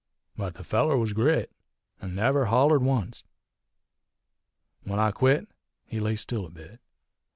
But the feller was grit, an' never hollered oncet. When I quit he laid still a bit.